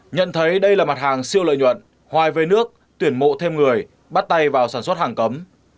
nhận thấy đây là mặt hàng siêu lợi nhuận hoài về nước tuyển mộ thêm người bắt tay vào sản xuất hàng cấm